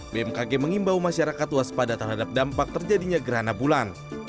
bmkg mengimbau masyarakat waspada terhadap dampak terjadinya gerhana bulan